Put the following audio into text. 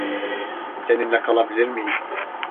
Seninle kalabilir miyim?